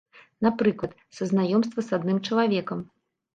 Напрыклад, са знаёмства з адным чалавекам.